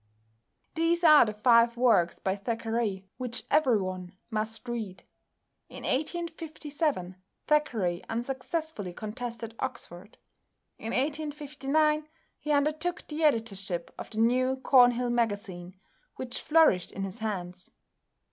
These are the five works by Thackeray which everyone must read. In 1857 Thackeray unsuccessfully contested Oxford. In 1859 he undertook the editorship of the new Cornhill Magazine which flourished in his hands.